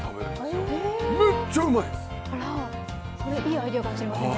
それいいアイデアかもしれませんね。